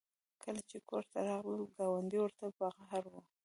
کله چې کور ته راغلل ګاونډۍ ورته په قهر وه